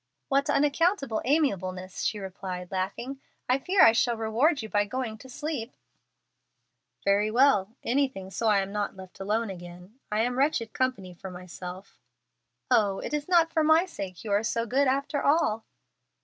"What unaccountable amiableness!" she replied, laughing. "I fear I shall reward you by going to sleep." "Very well, anything so I am not left alone again. I am wretched company for myself." "Oh, it is not for my sake you are so good, after all!"